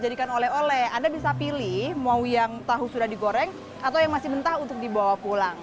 jadi kalau anda bisa pilih mau yang tahu sudah digoreng atau yang masih mentah untuk dibawa pulang